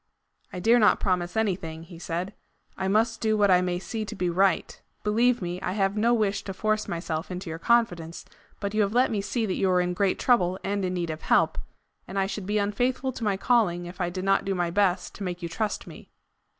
"I dare not promise anything." he said. "I MUST do what I may see to be right. Believe me, I have no wish to force myself into your confidence, but you have let me see that you are in great trouble and in need of help, and I should be unfaithful to my calling if I did not do my best to make you trust me."